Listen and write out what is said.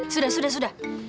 sudah sudah sudah